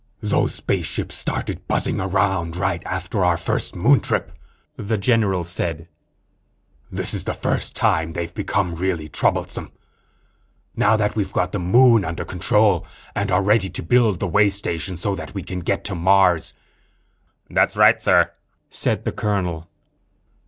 "Those spaceships started buzzing around right after our first Moon trip," the general said. "This is the first time they've become really troublesome now that we've got the Moon under control and are ready to build the way station so we can get to Mars." "That's right, Sir," said the colonel.